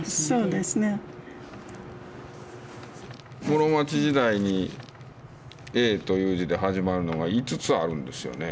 室町時代に「永」という字で始まるのが５つあるんですよね。